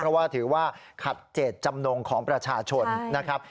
เพราะว่าถือว่าขัดเจตจำนงของประชาชนนะครับ